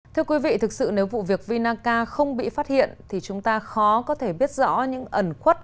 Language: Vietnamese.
thưa quý vị thực sự nếu vụ việc vinaca không bị phát hiện thì chúng ta khó có thể biết rõ những ẩn khuất